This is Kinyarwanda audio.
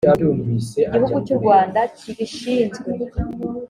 igihugu cy’u rwanda kibishinzwe